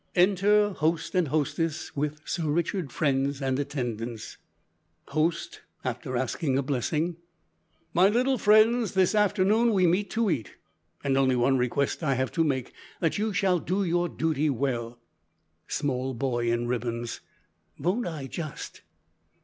Enter host and hostess, with Sir Richard, friends and attendants. (Host.) after asking a blessing "My little friends, this afternoon we meet to eat, and only one request have I to make that you shall do your duty well." (Small boy in ribbons. "Von't I, just!")